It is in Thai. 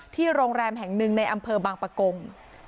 โรงแรมแห่งหนึ่งในอำเภอบางปะกง